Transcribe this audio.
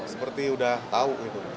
seperti udah tahu